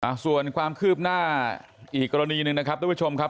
ส่วนความคืบหน้าอีกกรณีหนึ่งนะครับทุกผู้ชมครับ